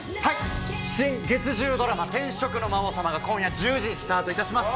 新月１０ドラマ「転職の魔王様」が今夜１０時スタートいたします。